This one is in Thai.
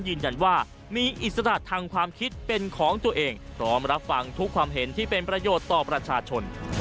ยืนยันว่ามีอิสระทางความคิดเป็นของตัวเองพร้อมรับฟังทุกความเห็นที่เป็นประโยชน์ต่อประชาชน